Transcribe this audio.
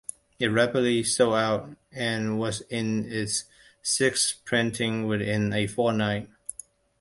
It rapidly sold out, and was in its sixth printing within a fortnight.